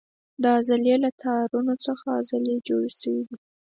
د عضلې له تارونو څخه عضلې جوړې شوې دي.